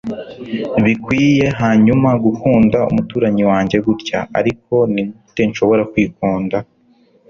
bikwiye, hanyuma gukunda umuturanyi wanjye gutya. ariko nigute nshobora kwikunda